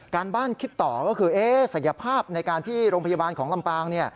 การบ้านคิดต่อก็คือศักยภาพในการที่โรงพยาบาลของลำปาง